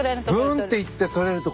ブンって行って捕れる所。